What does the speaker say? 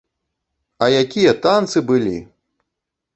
А якія танцы былі!